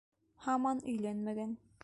Һаман өйләнмәгән.